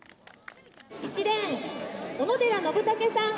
「１レーン小野寺のぶたけさん」。